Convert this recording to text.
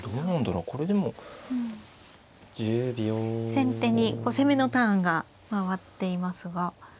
先手に攻めのターンが回っていますが。